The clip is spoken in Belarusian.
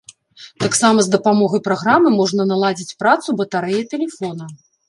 Таксама з дапамогай праграмы можна наладзіць працу батарэі тэлефона.